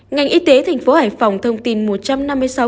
ngành y tế thành phố hải phòng thông tin một trăm năm mươi sáu ca f